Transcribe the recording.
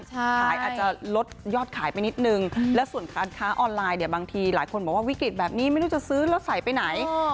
อาจจะลดยอดขายไปนิดนึงและส่วนการค้าออนไลน์เนี่ยบางทีหลายคนบอกว่าวิกฤตแบบนี้ไม่รู้จะซื้อแล้วใส่ไปไหน